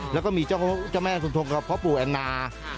แล้วก็มีแม่ทรงทรงกับพ่อปู่แอนนา